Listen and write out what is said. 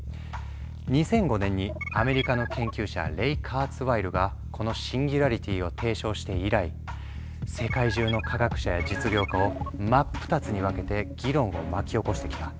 ２００５年にアメリカの研究者レイ・カーツワイルがこのシンギュラリティを提唱して以来世界中の科学者や実業家を真っ二つに分けて議論を巻き起こしてきた。